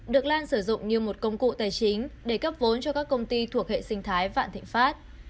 được lan sử dụng như một công cụ tài chính để cấp vốn cho các công ty thuộc hệ sinh thái vạn thịnh pháp